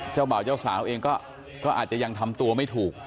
บ่าวเจ้าสาวเองก็อาจจะยังทำตัวไม่ถูก